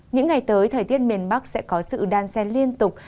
những ngày tới thời tiết miền bắc sẽ có sự đan xen liên tục